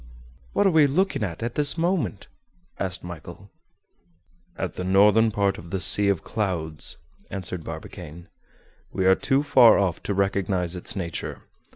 "What are we looking at, at this moment?" asked Michel. "At the northern part of the 'Sea of Clouds,'" answered Barbicane. "We are too far off to recognize its nature.